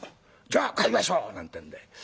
じゃあ買いましょう」なんてんで。